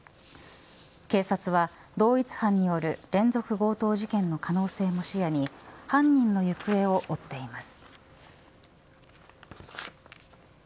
警察は同一犯による連続強盗事件の可能性も視野に犯人の行方を追っています。